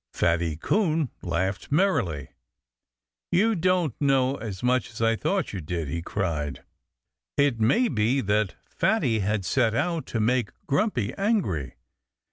Fatty Coon laughed merrily. "You don't know as much as I thought you did!" he cried. It may be that Fatty had set out to make Grumpy angry.